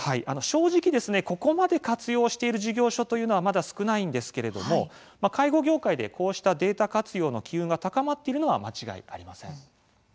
正直ここまで活用している事業所というのはまだ少ないんですけれども介護業界でこうしたデータ活用の機運が高まっているのは間違いありません。